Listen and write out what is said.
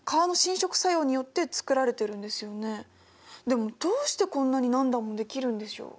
でもどうしてこんなに何段もできるんでしょう？